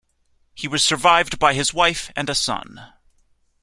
He was survived by his wife and a son.